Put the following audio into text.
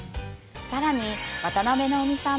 さらに。